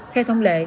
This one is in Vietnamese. theo thông lệ